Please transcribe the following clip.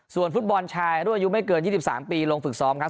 ส่วนฟุตบอลชายรุ่นอายุไม่เกิน๒๓ปีลงฝึกซ้อมครับ